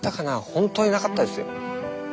ほんとになかったですよ。